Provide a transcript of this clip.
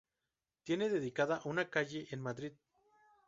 Tiene dedicada una calle en Madrid.